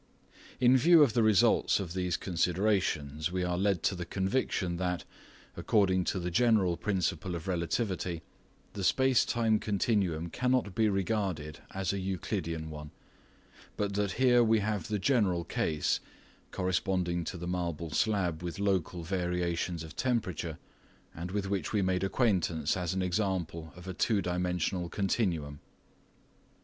In view of the resuIts of these considerations we are led to the conviction that, according to the general principle of relativity, the space time continuum cannot be regarded as a Euclidean one, but that here we have the general case, corresponding to the marble slab with local variations of temperature, and with which we made acquaintance as an example of a two dimensional continuum.